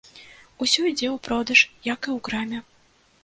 Усё ідзе ў продаж, як і ў краме.